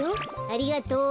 ありがとう。